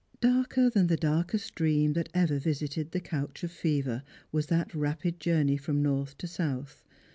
Darker than the darkest dream that ever visited the couch of fever was that rapid journey from north to south.